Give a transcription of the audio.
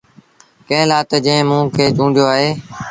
ڪݩهݩ لآ تا جنٚهنٚ کي موٚنٚ چونڊيو اهي